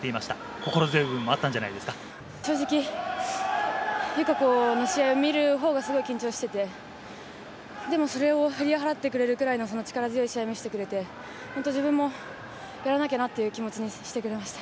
心強い部分もあったんじゃないで正直、友香子の試合を見る方がすごい緊張してて、でもそれを、振り払ってくれるぐらいのその力強い試合を見せてくれて、本当自分もやらなきゃなっていう気持ちにさせてくれました。